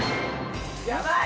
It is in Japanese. やばい！